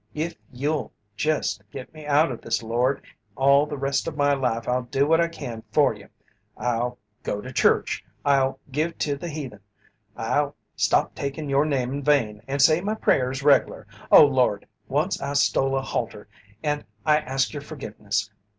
If You'll jest get me out of this, Lord, all the rest of my life I'll do what I can for You! I'll go to church I'll give to the heathen I'll stop takin' Your name in vain, and say my prayers reg'lar! Oh, Lord! Once I stole a halter and I ask Your forgiveness.